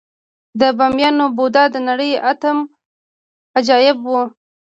د بامیانو بودا د نړۍ اتم عجایب و